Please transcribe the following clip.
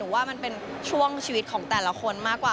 ว่ามันเป็นช่วงชีวิตของแต่ละคนมากกว่า